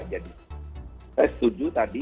jadi saya setuju tadi